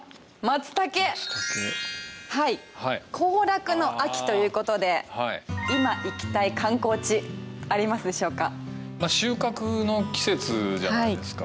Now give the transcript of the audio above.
行楽の秋ということで今行きたい観光地ありますでしょうか。